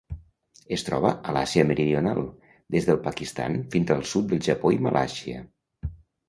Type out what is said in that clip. Es troba a l'Àsia Meridional: des del Pakistan fins al sud del Japó i Malàisia.